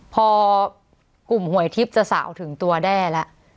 พอกลุ่มหวยทิพย์จะสาวถึงตัวแด้แล้ว